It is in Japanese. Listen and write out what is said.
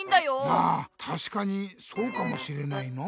まあたしかにそうかもしれないな。